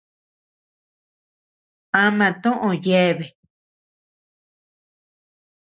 Ama toʼö yeabea.